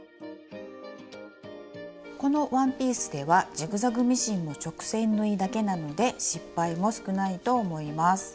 このワンピースではジグザグミシンも直線縫いだけなので失敗も少ないと思います。